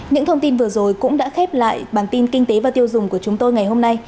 những thông tin vừa rồi cũng đã khép lại bản tin kinh tế và tiêu dùng của chúng tôi ngày hôm nay